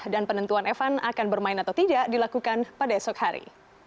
dan penentuan evan akan bermain atau tidak dilakukan pada esok hari